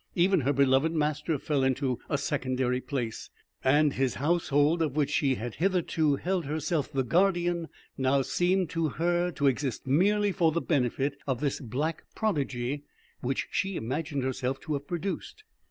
Even her beloved master fell into a secondary place, and his household, of which she had hitherto held herself the guardian, now seemed to her to exist merely for the benefit of this black prodigy which she imagined herself to have produced.